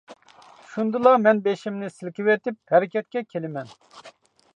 شۇندىلا مەن بېشىمنى سىلكىۋېتىپ، ھەرىكەتكە كېلىمەن.